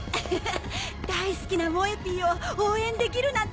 大好きなもえＰを応援できるなんて最高だ！